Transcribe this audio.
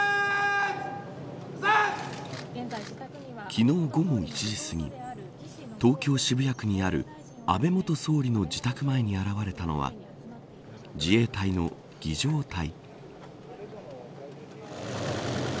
昨日午後１時すぎ東京、渋谷区にある安倍元総理の自宅前に現れたのは自衛隊の儀仗隊。